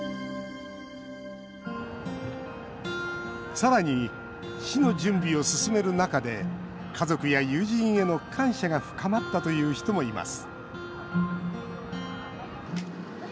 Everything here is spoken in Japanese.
さらに死の準備を進める中で家族や友人への感謝が深まったという人もいます。